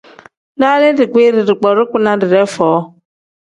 Daalii dikpiiri, dikpoo dagbina didee foo.